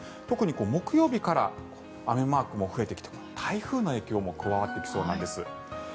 特に木曜日から雨マークも増えてきて台風の影響も加わってきそうなんです。